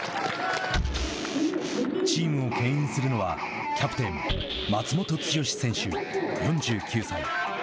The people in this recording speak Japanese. チームをけん引するのはキャプテン、松元剛選手４９歳。